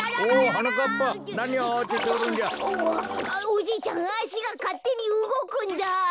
おじいちゃんあしがかってにうごくんだ。